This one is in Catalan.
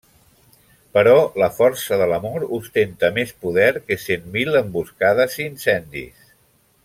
Però la força de l'amor ostenta més poder que cent mil emboscades i incendis.